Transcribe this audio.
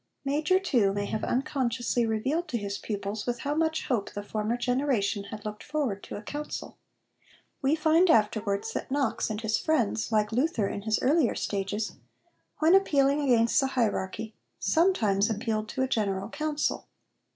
Major, too, may have unconsciously revealed to his pupils with how much hope the former generation had looked forward to a council. We find afterwards that Knox and his friends, like Luther in his earlier stages, when appealing against the hierarchy, sometimes appealed to a General Council.